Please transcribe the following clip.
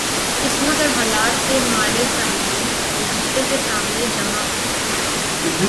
قسمت اور حالات کے مارے سائلین رجسٹری کے سامنے جمع ہوتے۔